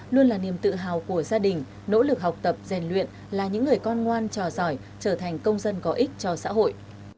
luôn là niềm tự hào của gia đình nỗ lực học tập rèn luyện là những người con ngoan trò giỏi trở thành công dân có ích cho xã hội